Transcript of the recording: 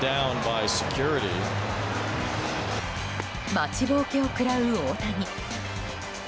待ちぼうけを食らう大谷。